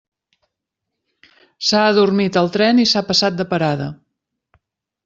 S'ha adormit al tren i s'ha passat de parada.